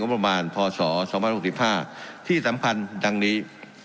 และจริงบประมาณพศ๒๐๖๕ที่สำคัญแดงนี้